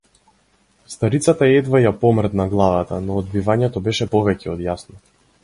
Старицата едвај ја помрдна главата, но одбивањето беше повеќе од јасно.